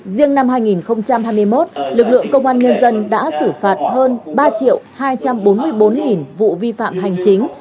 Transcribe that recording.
riêng năm hai nghìn hai mươi một lực lượng công an nhân dân đã xử phạt hơn ba hai trăm bốn mươi bốn vụ vi phạm hành chính